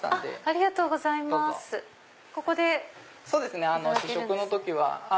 そうですね試食の時は。